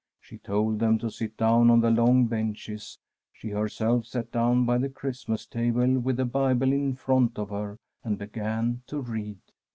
She told them to sit down on the long benches ; she herself sat down by the Christmas table with the Bible in front of her and began to read.